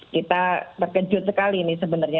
kita terkejut sekali ini sebenarnya